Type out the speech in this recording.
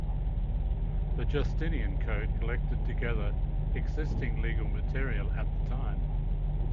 The Justinian Code collected together existing legal material at the time.